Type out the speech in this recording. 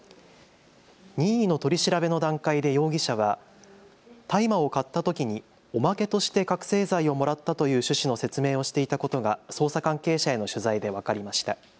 任意の取り調べの段階で容疑者は大麻を買ったときにおまけとして覚醒剤をもらったという趣旨の説明をしていたことが捜査関係者への取材で分かりました。